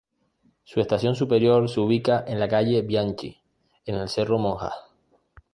Su estación superior se ubica en calle Bianchi, en el cerro Monjas.